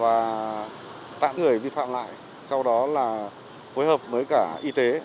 và tạm người vi phạm lại sau đó là phối hợp với cả y tế